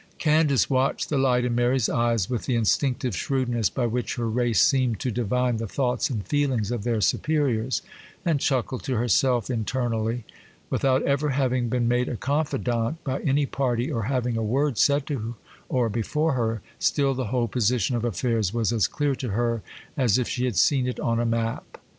Candace watched the light in Mary's eyes with the instinctive shrewdness by which her race seem to divine the thoughts and feelings of their superiors, and chuckled to herself internally. Without ever having been made a confidante by any party, or having a word said to or before her, still the whole position of affairs was as clear to her as if she had seen it on a map.